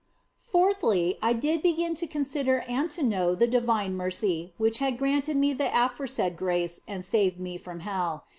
Fourthly, I did begin to consider and to know the divine mercy which had granted me the aforesaid grace and saved me from hell.